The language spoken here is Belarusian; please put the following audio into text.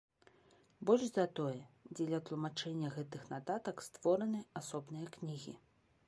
Больш за тое, дзеля тлумачэння гэтых нататак створаны асобныя кнігі.